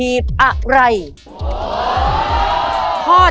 มีใจได้ขอกับเบอร์